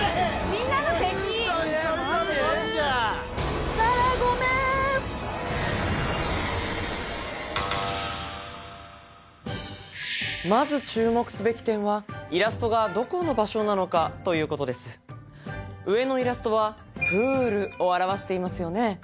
みんなの敵紗来ごめんまず注目すべき点はイラストがどこの場所なのかということです上のイラストはプールを表していますよね